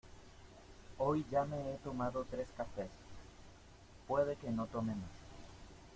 Hoy ya me he tomado tres cafés, puede que no tome más.